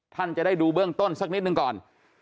ท่านจะได้ดูเบื้องต้นสักนิดหนึ่งก่อน